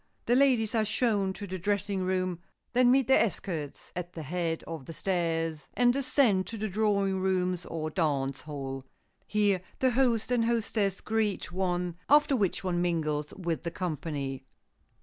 The ladies are shown to the dressing room, then meet their escorts at the head of the stairs and descend to the drawing rooms or dance hall. Here the host and hostess greet one, after which one mingles with the company.